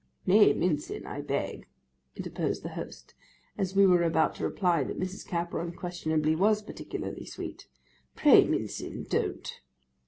'Nay, Mincin—I beg,' interposed the host, as we were about to reply that Mrs. Capper unquestionably was particularly sweet. 'Pray, Mincin, don't.